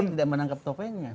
saya tidak menangkap topengnya